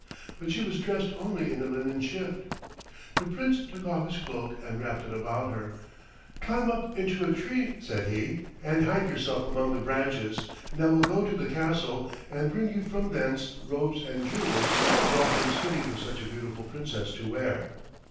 But she was dressed only in a linen shift. The Prince took off his cloak and wrapped it about her. "Climb up into a tree," said he, "and hide yourself among the branches, and I will go to the castle and bring you from thence robes and jewels and all things fitting for such a beautiful Princess to wear."